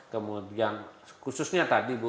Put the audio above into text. kemudian khususnya tadi bu